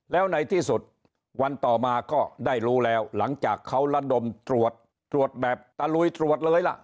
แล้วในที่สุดวันต่อมาก็ได้รู้แล้วหลังจากเขาระดมตรวจตรวจแบบตะลุยตรวจเลยล่ะ